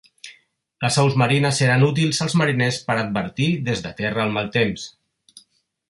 Les aus marines eren útils als mariners per advertir des de terra el mal temps.